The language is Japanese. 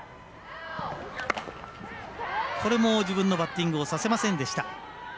これも自分のバッティングをさせませんでした。